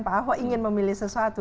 pak ahok ingin memilih sesuatu